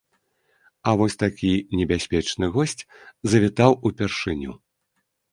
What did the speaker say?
А вось такі небяспечны госць завітаў упершыню.